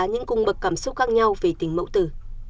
những cung bậc cảm xúc khác nhau về tình mẫu tử